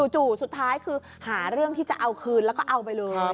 สุดท้ายคือหาเรื่องที่จะเอาคืนแล้วก็เอาไปเลย